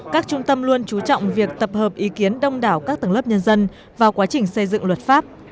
các trung tâm luôn chú trọng việc tập hợp ý kiến đông đảo các tầng lớp nhân dân vào quá trình xây dựng luật pháp